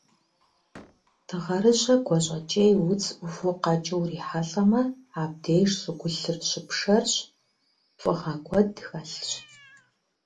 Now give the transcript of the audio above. Дыгъэрыжьэ гуащӀэкӀей удз Ӏуву къэкӀыу урихьэлӀэмэ, абдеж щӀыгулъыр щыпшэрщ, фыгъэ куэду хэлъщ.